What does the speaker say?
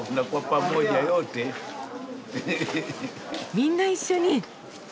みんな一緒に。